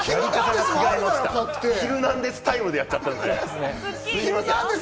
ヒルナンデスタイムでやっちゃったんで。